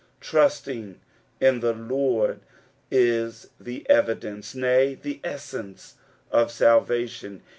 Trusting in the Lord is the evidence, nay, the essence of salvation.